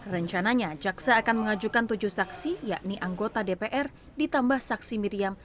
rencananya jaksa akan mengajukan tujuh saksi yakni anggota dpr ditambah saksi miriam